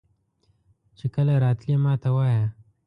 چې کله راتلې ماته وایه.